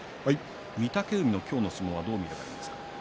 御嶽海の今日の相撲はどう見ますか。